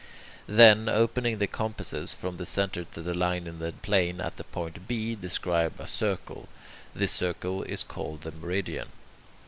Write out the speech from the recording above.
Then, opening the compasses from that centre to the line in the plane at the point B, describe a circle. This circle is called the meridian.